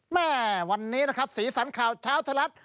แม่วันนี้นะครับสีสันข่าวเช้าไทยรัฐ